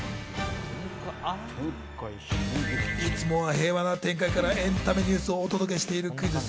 いつも平和な天界からエンタメニュースをお届けしているクイズッス。